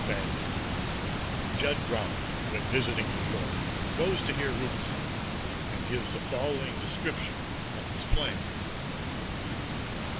BAGBY (Jud Brownin, when visiting New York, goes to hear Rubinstein, and gives the following description of his playing.)